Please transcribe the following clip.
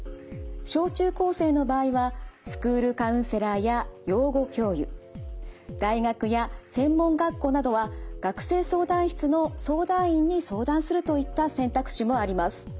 小中高生の場合はスクールカウンセラーや養護教諭大学や専門学校などは学生相談室の相談員に相談するといった選択肢もあります。